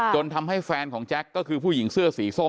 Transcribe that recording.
จนทำให้แฟนของแจ็คก็คือผู้หญิงเสื้อสีส้ม